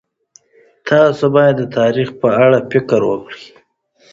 تاسو باید د تاریخ په اړه فکر وکړئ.